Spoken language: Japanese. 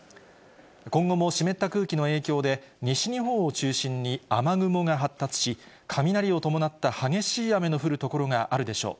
今後も湿った空気の影響で、西日本を中心に雨雲が発達し、雷を伴った激しい雨の降る所があるでしょう。